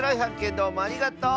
どうもありがとう！